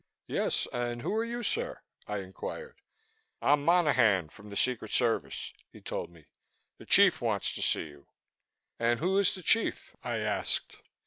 "Yes, and who are you, sir?" I inquired. "I'm Monaghan from the Secret Service," he told me. "The Chief wants to see you." "And who is the Chief?" I asked.